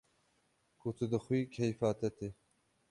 Ku tu dixwî keyfa te tê